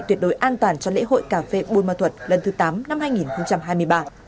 tuyệt đối an toàn cho lễ hội cà phê buôn ma thuật lần thứ tám năm hai nghìn hai mươi ba